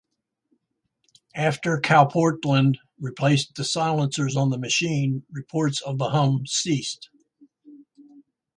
After CalPortland replaced the silencers on the machine, reports of the hum ceased.